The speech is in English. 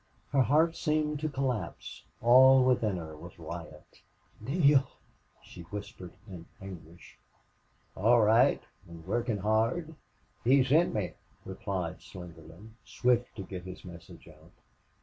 Her heart seemed to collapse. All within her was riot. "Neale!" she whispered, in anguish. "All right an' workin' hard. He sent me," replied Slingerland, swift to get his message out.